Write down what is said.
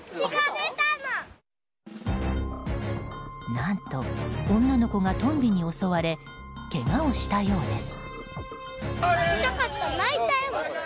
何と女の子がトンビに襲われけがをしたようです。